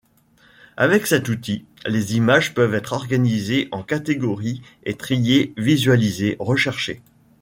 Avec cet outil, les images peuvent être organisées en catégories et triées, visualisées, recherchées...